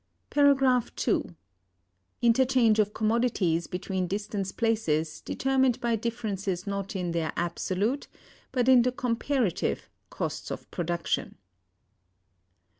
Interchange of commodities between distance places determined by differences not in their absolute, but in the comparative, costs of production.